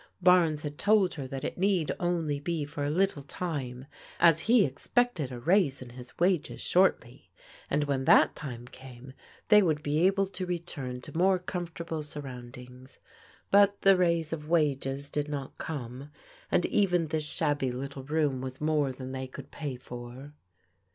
Bames had told her that it need only be for a little time, as he expected a raise in his wages shortly, and when that time came, they would be able to return to more comfortable sur roundings. But the raise of wages did not come, and even this shabby little room was more than they could pay for.